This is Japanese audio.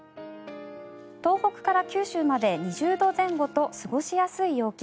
東北から九州まで２０度前後と過ごしやすい陽気。